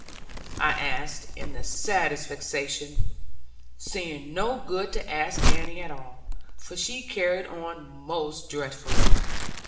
I asked, in the saddest vexation; seeing no good to ask Annie at all, for she carried on most dreadfully.